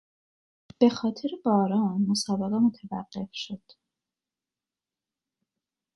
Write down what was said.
به خاطر باران مسابقه متوقف شد.